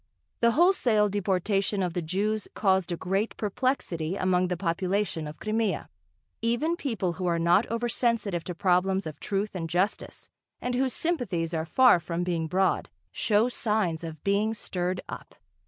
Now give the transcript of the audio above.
The wholesale deportation of the Jews caused a great perplexity among the population of Crimea. Even people who are not over sensitive to problems of truth and justice and whose sympathies are far from being broad, show signs of being stirred up.